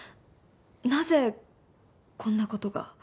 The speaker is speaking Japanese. なぜこんな事が？